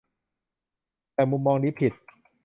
แต่มุมมองนี้ผิด